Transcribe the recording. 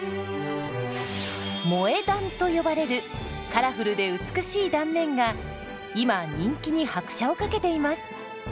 「萌え断」と呼ばれるカラフルで美しい断面が今人気に拍車をかけています。